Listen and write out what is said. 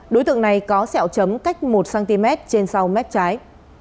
đối tượng này có sẹo chấm cách một cm trên sau mép trái